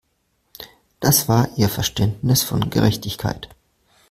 Das war ihr Verständnis von Gerechtigkeit.